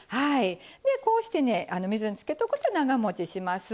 でこうしてね水につけとくと長もちします。